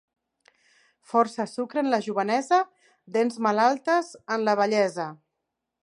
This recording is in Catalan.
Força sucre en la jovenesa, dents malaltes en la vellesa.